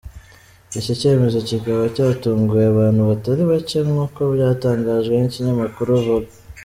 Iki cyemezo kikaba cyatunguye abantu batari bacye nk’uko byatangajwe n’ikinyamakuru Vogue.